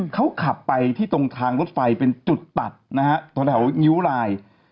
เขาขับไปที่ตรงทางรถไฟเป็นจุดตัดนะฮะตรงแถวงิ้วลาย